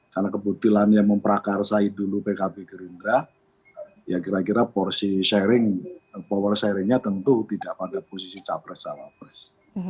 karena kebutilannya memperakarsai dulu pkb gerindra ya kira kira porsi sharing power sharingnya tentu tidak pada posisi capres cawapres